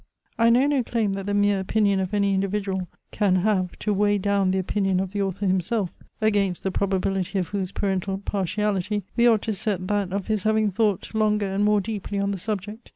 I know no claim that the mere opinion of any individual can have to weigh down the opinion of the author himself; against the probability of whose parental partiality we ought to set that of his having thought longer and more deeply on the subject.